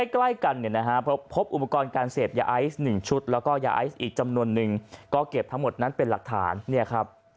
ใกล้กันเนี่ยนะฮะพบอุปกรณ์การเสพยาไอซ์๑ชุดแล้วก็ยาไอซ์อีกจำนวนนึงก็เก็บทั้งหมดนั้นเป็นหลักฐานเนี่ยครับ